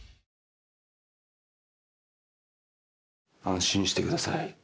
安心してください。